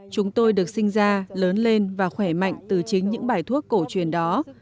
chúng tôi được sinh ra lớn lên và khỏe mạnh từ chính những bài thuốc cổ truyền đó